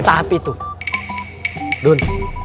tapi tuh dun